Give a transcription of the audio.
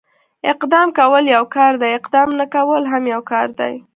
اقدام کول يو کار دی، اقدام نه کول هم يو کار دی.